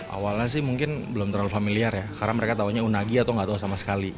awalnya sih mungkin belum terlalu familiar ya karena mereka tahunya unagi atau nggak tahu sama sekali